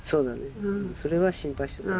それは心配してたね。